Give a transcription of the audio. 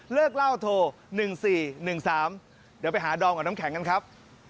เล่าโทร๑๔๑๓เดี๋ยวไปหาดอมกับน้ำแข็งกันครับ